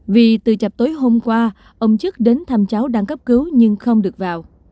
vì từ chập tối hôm qua ông chức đến thăm cháu đang cấp cứu nhưng không được vào